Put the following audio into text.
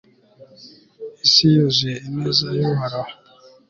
isi yuzuye ineza y'uhoraho